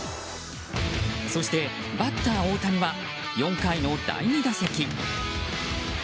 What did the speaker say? そして、バッター大谷は４回の第２打席。